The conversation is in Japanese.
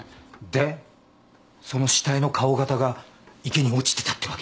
でその死体の顔型が池に落ちてたってわけ？